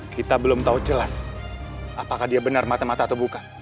kita belum tahu jelas apakah dia benar mata mata atau bukan